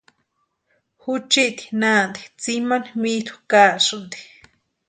Juchiti naanti tsimani mitʼu kaasïnti.